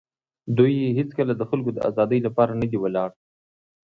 دوی هېڅکله د خلکو د آزادۍ لپاره نه دي ولاړ.